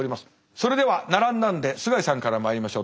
それでは並んだんで須貝さんからまいりましょう。